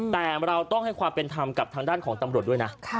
แต่เราต้องให้ความเป็นธรรมกับทางด้านของตำรวจด้วยนะ